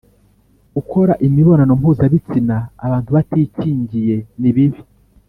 gukora imibonano mpuzabitsina abantu batikingiye ni bibi